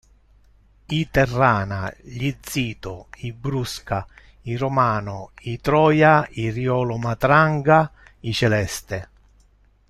I Terrana, gli Zito, i Brusca, i Romano, i Troia, i Riolo-Matranga, i Celeste.